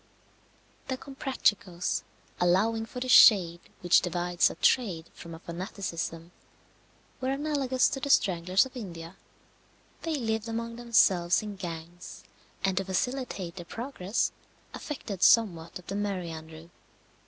The Comprachicos, allowing for the shade which divides a trade from a fanaticism, were analogous to the Stranglers of India. They lived among themselves in gangs, and to facilitate their progress, affected somewhat of the merry andrew.